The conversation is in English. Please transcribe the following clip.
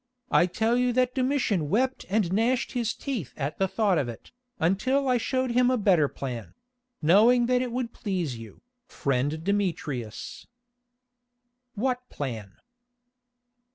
I tell you that Domitian wept and gnashed his teeth at the thought of it, until I showed him a better plan—knowing that it would please you, friend Demetrius." "What plan?"